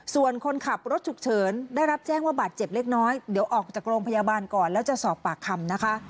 ส่วนคนขับรถฉุกเฉินได้รับแจ้งว่าบาดเจ็บเล็กน้อยเดี๋ยวออกจากโรงพยาบาลก่อนแล้วจะสอบปากคำนะคะ